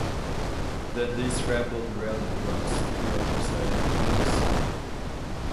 Then they scrambled round the rocks to the other side of the house.